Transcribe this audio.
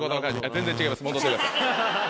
全然違います。